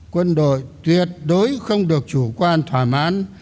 quân đội tuyệt đối không được chủ quan thỏa mãn